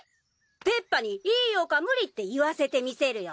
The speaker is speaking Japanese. ペッパに「いいよ」か「無理」って言わせてみせるよ。